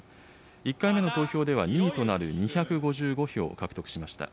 １回目の投票では２位となる２５５票を獲得しました。